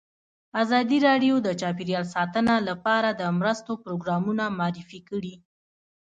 ازادي راډیو د چاپیریال ساتنه لپاره د مرستو پروګرامونه معرفي کړي.